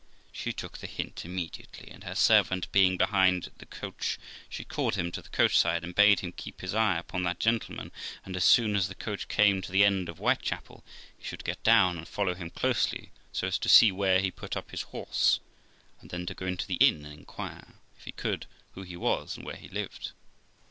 She took the hint immediately, and her servant being behind the coach, she called him to the coach side and bade him keep his eye upon that gentleman, and, as soon as the coach came to the end of Whitechapel, he should get down and follow him closely, so as to see where he put up his horse, and then to go into the inn and inquire, if he could, who he was, and where he lived.